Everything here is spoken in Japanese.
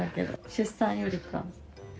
出産よりか。